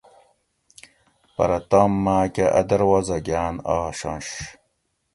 پرہ تام ماۤکہۤ اۤ دروازہ گاۤن آشنش